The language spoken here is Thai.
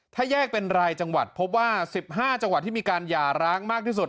ถ้าแยกเป็นรายจังหวัดพบว่า๑๕จังหวัดที่มีการหย่าร้างมากที่สุด